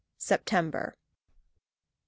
SEPTEMBER. 1.